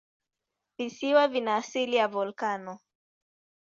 Visiwa vina asili ya volikano.